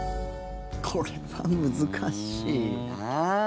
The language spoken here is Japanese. これは難しいな。